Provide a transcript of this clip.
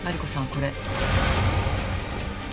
これ。